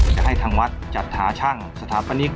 จะให้ทางวัดจัดหาช่างสถาปนิก